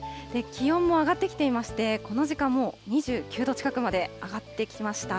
気温も上がってきていまして、この時間、もう２９度近くまで上がってきました。